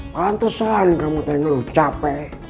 pantesan kamu tenggelam capek